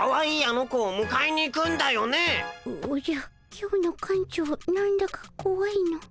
今日の館長なんだかこわいの。